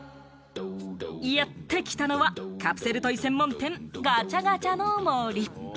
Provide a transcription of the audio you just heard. やってきたのはカプセルトイ専門店、ガチャガチャの森。